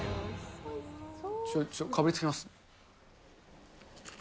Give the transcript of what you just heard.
ちょっとかぶりつきます。